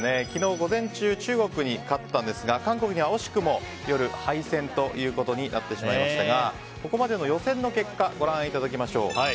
昨日午前中中国に勝ったんですが韓国には惜しくも夜、敗戦となりましたがここまでの予選の結果ご覧いただきましょう。